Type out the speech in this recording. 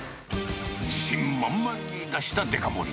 自信満々に出したデカ盛り。